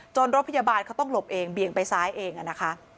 รถพยาบาลเขาต้องหลบเองเบี่ยงไปซ้ายเองนะคะ